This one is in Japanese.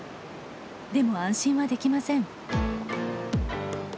でも安心はできません。